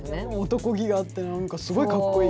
男気があって何かすごいカッコいい。